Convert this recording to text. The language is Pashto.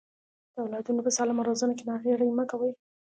د اولادونو په سالمه روزنه کې ناغيړي مکوئ.